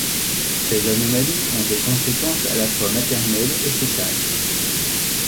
Ces anomalies ont des conséquences à la fois maternelles et fœtales.